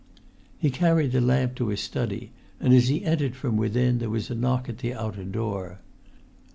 He carried the lamp to his study, and as he entered from within there was a knock at the outer door.